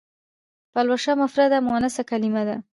پلوشه مفرده مونثه کلمه ده.